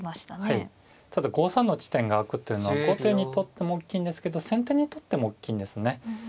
ただ５三の地点が空くというのは後手にとっても大きいんですけど先手にとっても大きいんですね。